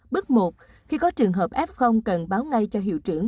bước một khi có trường hợp f cần báo ngay cho hiệu trưởng